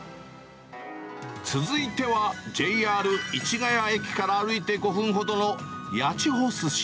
続いてはＪＲ市ヶ谷駅から歩いて５分ほどの八千穂寿司。